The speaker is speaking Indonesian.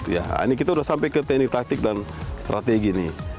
ya ini kita sudah sampai ke teknik taktik dan strategi nih